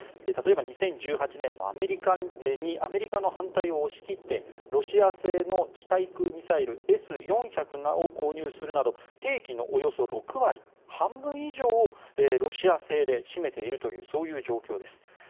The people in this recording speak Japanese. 例えば２０１８年アメリカの反対を押し切ってロシア製の地対空ミサイルＳ４００を購入するなど兵器のおよそ６割半分以上をロシア製で占めているという状況です。